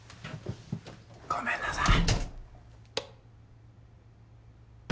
ごめんなさい。